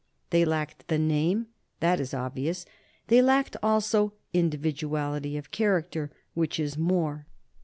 They lacked the name that is obvious; they lacked also individuality of character, which is more.